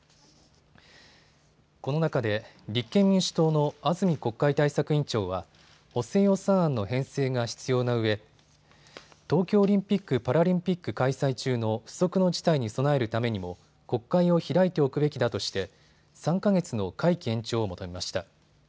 この中で立憲民主党の安住国会対策委員長は補正予算案の編成が必要なうえ、東京オリンピック・パラリンピック開催中の不測の事態に備えるためにも国会を開いておくべきだとして３か月の会期延長を求めました。